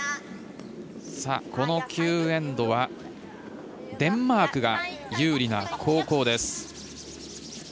この９エンドはデンマークが有利な後攻です。